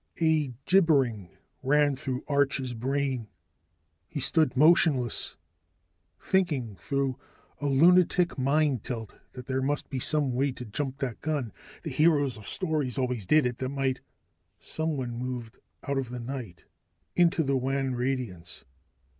A gibbering ran through Arch's brain. He stood motionless, thinking through a lunatic mind tilt that there must be some way to jump that gun, the heroes of stories always did it, that might Someone moved out of the night into the wan radiance.